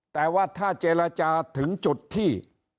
แต่ว่าถ้าเจรจาถึงจุดที่